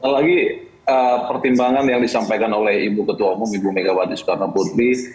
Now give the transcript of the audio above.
lagi pertimbangan yang disampaikan oleh ibu ketua umum ibu megawati soekarno putri